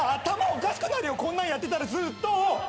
頭おかしくなるよこんなんやってたらずっと。